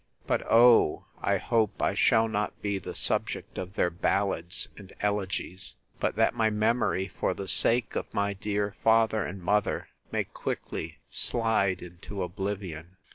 But, O! I hope I shall not be the subject of their ballads and elegies; but that my memory, for the sake of my dear father and mother, may quickly slide into oblivion.